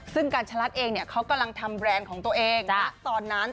ซึ่งกัญชลัดเองเนี่ยเขากำลังทำแบรนด์ของตัวเองณตอนนั้น